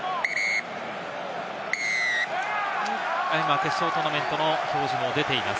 今、決勝トーナメントの表示も出ています。